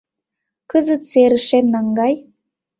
Кызыт серышем наҥгай».